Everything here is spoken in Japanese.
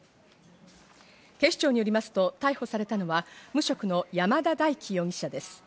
警視庁によりますと逮捕されたのは無職の山田大樹容疑者です。